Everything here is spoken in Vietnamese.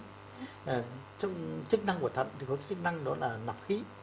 trong chức năng của thận thì có chức năng đó là nạp khí